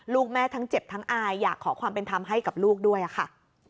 ลูกแม่ทั้งเจ็บทั้งอายอยากขอความเป็นธรรมให้กับลูกด้วยค่ะ